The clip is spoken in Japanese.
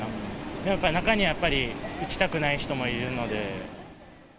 やっぱり中にはやっぱり、打ちたくない人もいるので。